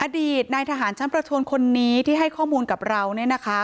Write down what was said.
อดีตนายทหารชั้นประชนคนนี้ที่ให้ข้อมูลกับเราเนี่ยนะคะ